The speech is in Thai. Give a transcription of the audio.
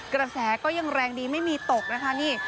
กระแสก็ยังแรงดีไม่มีตกนะคะนี่